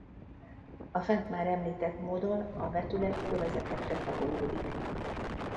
A fent már említett módon a vetület övezetekre tagolódik.